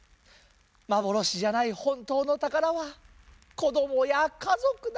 まぼろしじゃないほんとうのたからはこどもやかぞくだ。